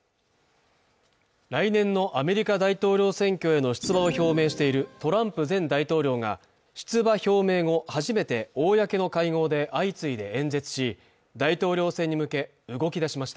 来年のアメリカ大統領選挙への出馬を表明しているトランプ前大統領が出馬表明後初めて公の会合で相次いで演説し大統領選に向け動き出しました。